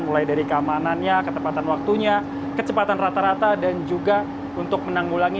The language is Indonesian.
mulai dari keamanannya ketepatan waktunya kecepatan rata rata dan juga untuk menanggulangi